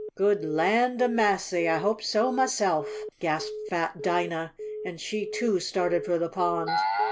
"Good land ob massy! I hopes so mahse'f!" gasped fat Dinah, and she, too, started for the pond.